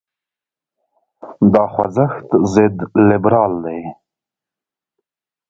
دا خوځښت ضد لیبرال دی.